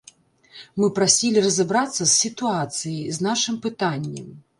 Мы прасілі разабрацца з сітуацыяй, з нашым пытаннем.